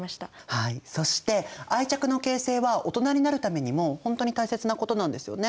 はいそして愛着の形成は大人になるためにも本当に大切なことなんですよね？